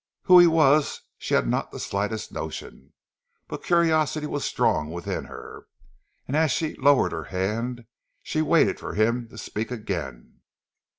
Who he was she had not the slightest notion, but curiosity was strong within her, and as she lowered her hand, she waited for him to speak again.